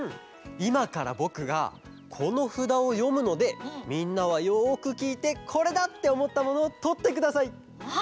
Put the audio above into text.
いまからぼくがこのふだをよむのでみんなはよくきいてこれだっておもったものをとってください！